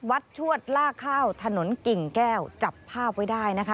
ชวดลากข้าวถนนกิ่งแก้วจับภาพไว้ได้นะคะ